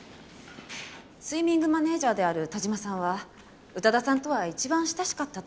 スイミングマネジャーである田嶋さんは宇多田さんとは一番親しかったと聞きました。